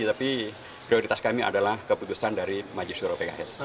tapi prioritas kami adalah keputusan dari maju suruh pks